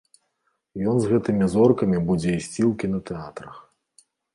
Ён з гэтымі зоркамі будзе ісці ў кінатэатрах.